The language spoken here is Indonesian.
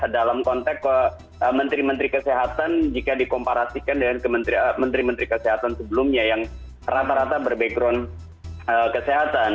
dalam konteks menteri menteri kesehatan jika dikomparasikan dengan menteri menteri kesehatan sebelumnya yang rata rata berbackground kesehatan